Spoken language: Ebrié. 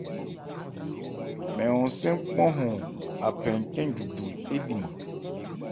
Mɛn hɔn-sɛ́n kpánhɔn a phɛ ncɛ́n njunju éliiman.